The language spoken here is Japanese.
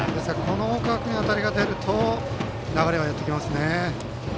大川君に当たりが出ると流れがやってきますね。